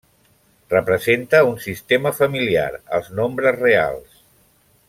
Representa un sistema familiar: els nombres reals.